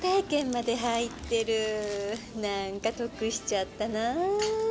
何か得しちゃったなぁ。